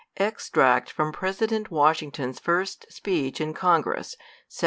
Extract from President Washington's first Speech in Congress, 1789.